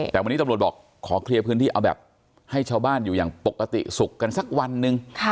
แต่วันนี้ตำรวจบอกขอเคลียร์พื้นที่เอาแบบให้ชาวบ้านอยู่อย่างปกติสุขกันสักวันหนึ่ง